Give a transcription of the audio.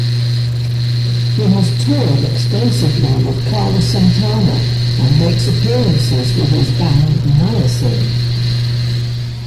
He has toured extensively with Carlos Santana and makes appearances with his band Niacin.